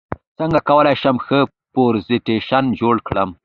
څنګه کولی شم ښه پرزنټیشن جوړ کړم